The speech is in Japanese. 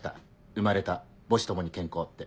「生まれた母子共に健康」って。